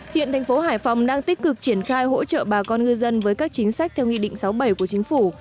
hiện thành phố hải phòng đang tích cực triển khai hỗ trợ bà con ngư dân với các chính sách theo nghị định sáu bảy của chính phủ